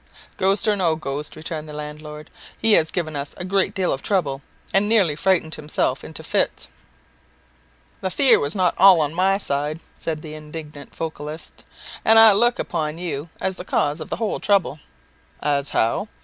"Ghost or no ghost," returned the landlord, "he has given us a great deal of trouble, and nearly frightened himself into fits." "The fear was not all on my side," said the indignant vocalist; "and I look upon you as the cause of the whole trouble." "As how?"